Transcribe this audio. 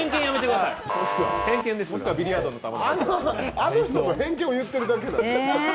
あの人の偏見を言ってるだけ。